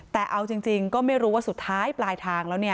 แต่เอาจริงก็ไม่รู้ว่าสุดท้ายปลายทางแล้ว